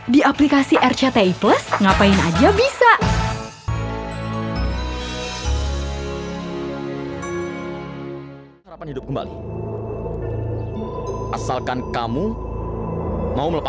di aplikasi rcti plus ngapain aja bisa